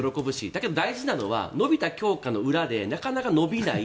だけど大事なのは伸びた教科の裏でなかなか伸びない。